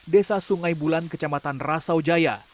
desa sungai bulan kecamatan rasaujaya